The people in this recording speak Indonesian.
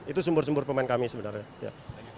itu sumber sumber pemain kami sebenarnya